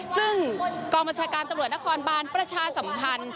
ซึ่งกรมชาการตำรวจนครบ้านประชาสำคัญ